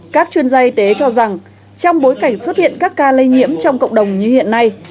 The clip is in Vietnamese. các chuyên gia y tế cho rằng trong bối cảnh xuất hiện các ca lây nhiễm trong cộng đồng như hiện nay